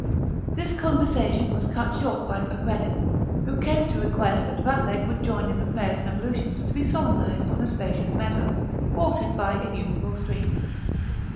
This conversation was cut short by Fakreddin, who came to request that Vathek would join in the prayers and ablutions to be solemnised on a spacious meadow, watered by innumerable streams.